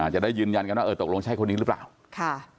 จะได้ยืนยันกันว่าเออตกลงใช่คนนี้หรือเปล่าค่ะ